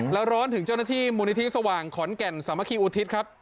แล้วร้อนถึงเจ้าหน้าที่มูลนิธิสว่างขอนแก่นสามัคคีอุทิศครับ